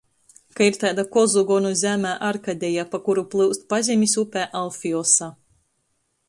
Ka ir taida kozu gonu zeme Arkadeja, pa kuru plyust pazemis upe Alfiosa.